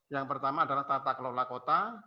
yang pertama adalah tata kelola kota